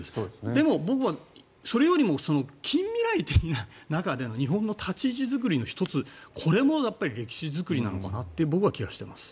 でも、僕はそれよりも近未来的な中での日本の立ち位置作りも１つこれもやっぱり歴史作りなのかなという気が僕はしています。